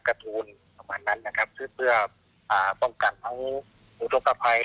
ขวานนั้นจึงได้การป้องกันทั้งธุรกภัย